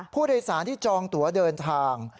ผู้โดยสารที่จองตัวเดินทาง